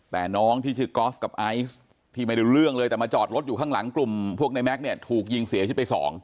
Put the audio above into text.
แต่น้องที่ชื่อกอล์ฟกับไอซ์ที่ไม่รู้เรื่องเลยแต่มาจอดรถอยู่ข้างหลังกลุ่มพวกในแม็กซ์เนี่ยถูกยิงเสียชีวิตไป๒